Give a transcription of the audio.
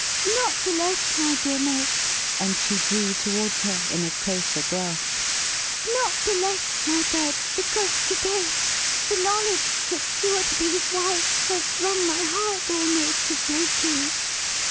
Not the less, my dear May;" and she drew towards her, in a closer grasp; "not the less, my Bird, because, to day, the knowledge that you are to be His wife has wrung my heart almost to breaking!